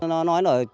nó nói là